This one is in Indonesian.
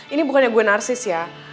ini bukannya gue narsis ya